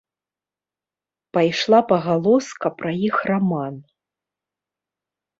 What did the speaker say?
Пайшла пагалоска пра іх раман.